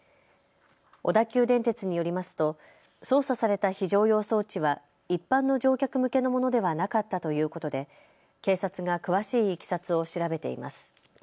小田急電鉄によりますと操作された非常用装置は一般の乗客向けのものではなかったということで警察が詳しいいきさつを調べています。